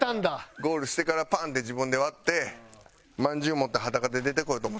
ゴールしてからパン！って自分で割ってまんじゅう持って裸で出てこようと思って。